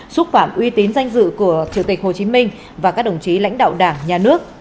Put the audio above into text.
xúc phạm uy tín danh dự của chủ tịch hồ chí minh và các đồng chí lãnh đạo đảng nhà nước